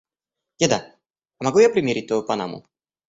Деда, а могу я примерить твою панаму?